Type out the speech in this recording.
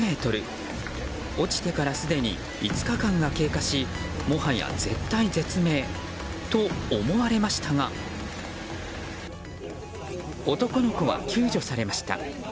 落ちてからすでに５日間が経過しもはや絶体絶命と思われましたが男の子は救助されました。